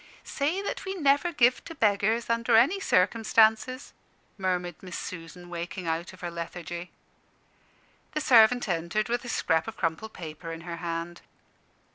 "Say that we never give to beggars, under any circumstances," murmured Miss Susan, waking out of her lethargy. The servant entered with a scrap of crumpled paper in her hand.